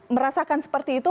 merasakan seperti itu